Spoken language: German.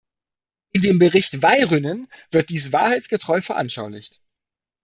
In dem Bericht Väyrynen wird dies wahrheitsgetreu veranschaulicht.